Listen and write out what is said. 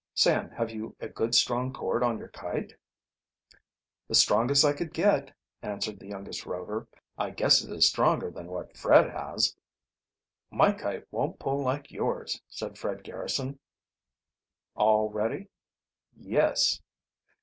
"Sam, have you a good strong cord on your kite?" "The strongest I could get," answered the youngest Rover. "I guess it is stronger than what Fred has." "My kite won't pull like yours," said Fred Garrison. "All ready?" "Yes."